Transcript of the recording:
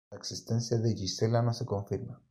La existencia de Gisela no se confirma.